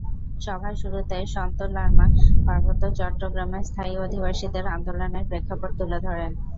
সভার শুরুতে সন্তু লারমা পার্বত্য চট্টগ্রামের স্থায়ী অধিবাসীদের আন্দোলনের প্রেক্ষাপট তুলে ধরেন।